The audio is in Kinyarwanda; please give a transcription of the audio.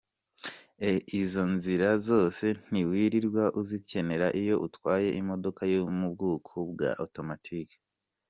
Izo nzira zose ntiwirirwa uzikenera iyo utwaye imodoka yo mu bwoko bwa automatic.